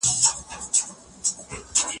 تعلیم به راتلونکي کي بدلون راولي.